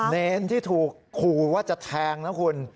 เนรที่ถูกขู่ว่าจะแทงนะคุณ